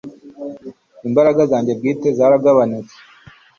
Imbaraga zanjye bwite zaragabanutse